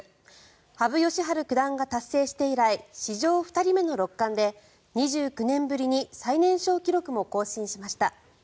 羽生善治九段が達成して以来史上２人目の六冠で２９年ぶりに最年少記録も更新しました。